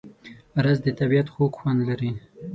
رس د طبیعت خوږ خوند لري